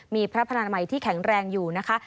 มีพระพนามัยที่แข็งแรงอยู่นะคะ